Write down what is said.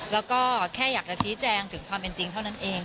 แล้วก็แค่อยากจะชี้แจงถึงความเป็นจริงเท่านั้นเอง